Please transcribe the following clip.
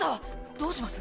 どうします？